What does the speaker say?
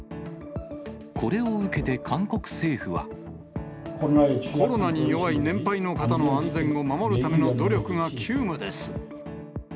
これを受けて韓国政府は。コロナに弱い年配の方の安全を守るための努力が急務です。